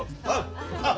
あっ！